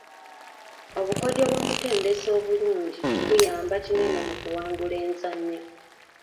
Obukodyo bw'omutendesi obulungi buyamba kinene mu kuwangula enzannya.